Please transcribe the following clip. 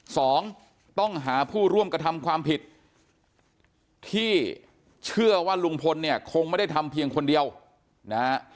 สองต้องหาผู้ร่วมกระทำความผิดที่เชื่อว่าลุงพลเนี่ยคงไม่ได้ทำเพียงคนเดียวนะฮะ